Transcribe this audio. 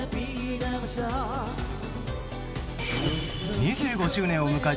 ２５周年を迎えた